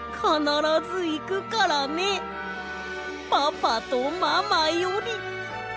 パパとママより」。